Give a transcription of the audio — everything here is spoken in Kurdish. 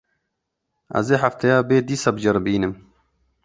Ez ê hefteya bê dîsa biceribînim.